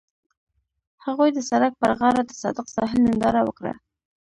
هغوی د سړک پر غاړه د صادق ساحل ننداره وکړه.